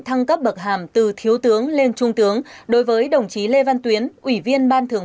thăng cấp bậc hàm từ thiếu tướng lên trung tướng đối với đồng chí lê văn tuyến ủy viên ban thường